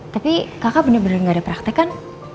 tapi kakak bener bener gak ada praktek kan